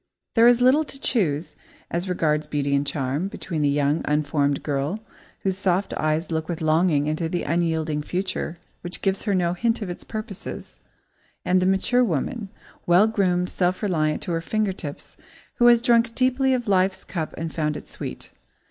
There is little to choose, as regards beauty and charm, between the young, unformed girl, whose soft eyes look with longing into the unyielding future which gives her no hint of its purposes, and the mature woman, well groomed, self reliant to her finger tips, who has drunk deeply of life's cup and found it sweet.